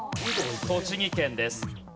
栃木県です。